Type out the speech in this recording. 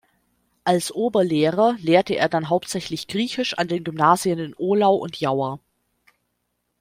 Als Oberlehrer lehrte er dann hauptsächlich Griechisch an den Gymnasien in Ohlau und Jauer.